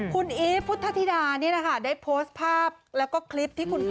คุณอีฟพุทธธิดาได้โพสต์ภาพแล้วก็คลิปที่คุณพ่อ